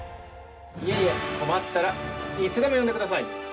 いえいえ困ったらいつでも呼んでください！